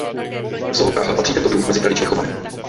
V Zoo Praha patří tento druh mezi tradičně chované.